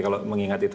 kalau mengingat itu